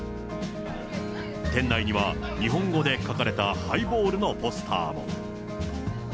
店内には日本語で書かれたハイボールのポスターも。